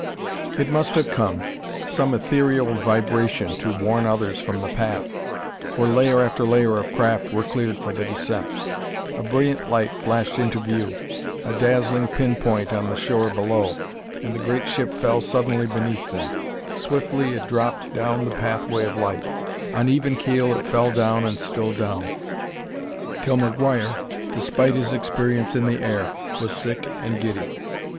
It must have come some ethereal vibration to warn others from the path for layer after layer of craft were cleared for the descent. A brilliant light flashed into view, a dazzling pin point on the shore below, and the great ship fell suddenly beneath them. Swiftly it dropped down the pathway of light; on even keel it fell down and still down, till McGuire, despite his experience in the air, was sick and giddy.